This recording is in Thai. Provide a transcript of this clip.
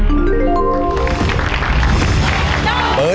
จะทำเวลาไหมครับเนี่ย